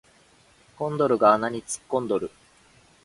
コンドルが穴に突っ込んどる